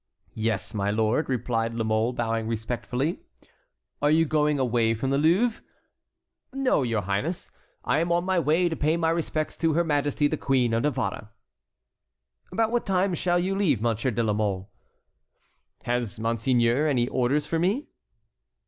"Yes, my lord," replied La Mole, bowing respectfully. "Are you going away from the Louvre?" "No, your highness. I am on my way to pay my respects to her Majesty the Queen of Navarre." "About what time shall you leave, Monsieur de la Mole?" "Has monseigneur any orders for me?"